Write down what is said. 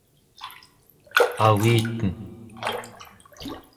aviten